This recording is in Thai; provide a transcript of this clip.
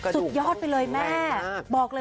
สุดยอดไปเลยแม่